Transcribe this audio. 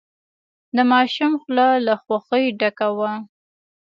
د ماشوم خوله له خوښۍ ډکه وه.